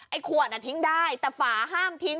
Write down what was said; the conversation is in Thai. ขวดทิ้งได้แต่ฝาห้ามทิ้ง